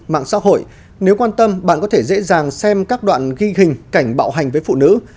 mạng xã hội nếu quan tâm bạn có thể dễ dàng xem các đoạn ghi hình cảnh bạo hành với phụ nữ